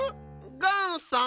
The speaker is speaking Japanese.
ガンさん？